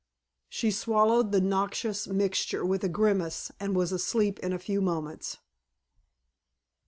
She swallowed the noxious mixture with a grimace and was asleep in a few moments.